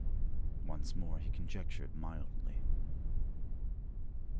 Once more he conjectured mildly.